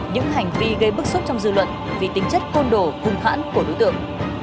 những hành vi gây bức xúc trong dư luận vì tính chất côn đồ hung hãn của đối tượng